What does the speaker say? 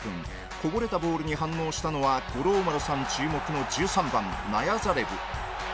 こぼれたボールに反応したのは五郎丸さん注目の１３番ナヤザレブ。